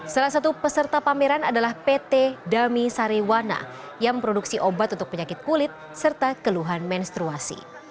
salah satu peserta pameran adalah pt dami sariwana yang memproduksi obat untuk penyakit kulit serta keluhan menstruasi